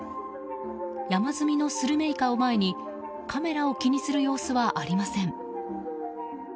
山積みのスルメイカを前にカメラを気にする様子はありません。